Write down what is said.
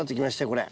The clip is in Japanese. これ。